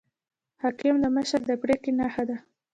حکم د مشر د پریکړې نښه ده